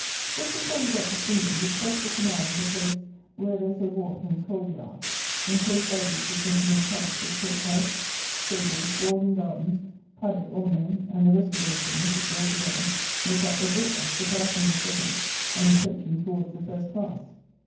Just before we got to Swindon, we crossed a canal at a place where there is a wharf and a coal yard, and close by these a gentleman's house, with coach house, stables, walled in garden, paddock orné, and the rest of those things, which, all together, make up a villa, surpassing the second and approaching towards the first class.